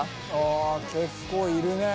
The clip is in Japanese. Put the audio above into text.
あ結構いるね。